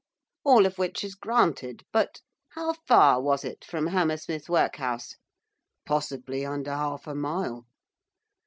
'All of which is granted, but how far was it from Hammersmith Workhouse?' 'Possibly under half a mile.